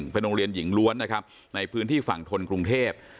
เป็นโรงเรียนหญิงล้วนนะครับในพื้นที่ฝั่งทนกรุงเทพ